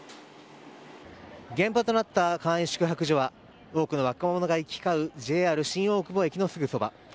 現場となった簡易宿泊所は多くの若者が行き交うＪＲ新大久保駅のすぐそば。